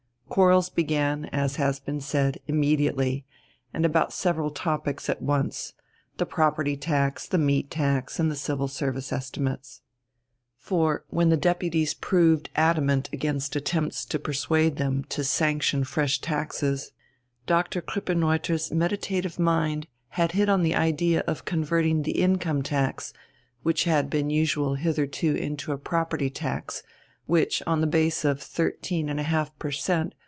Quarrels began, as has been said, immediately, and about several topics at once: the property tax, the meat tax, and the Civil Service estimates. For, when the deputies proved adamant against attempts to persuade them to sanction fresh taxes, Doctor Krippenreuther's meditative mind had hit on the idea of converting the income tax which had been usual hitherto into a property tax, which on the basis of 13½ per cent.